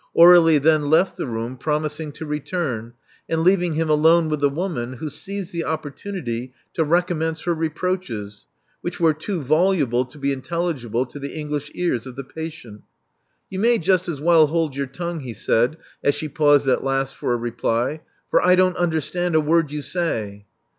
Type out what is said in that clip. Aur61ie then left the room, promising to return, and leaving him alone with the woman, who seized the opportunity to recommence her reproaches, which were too voluble to be intel ligible to the English ears of the patient. You may just as well hold your tongue," he said, as she paused at last for a reply; "for I don't under stand a word you say."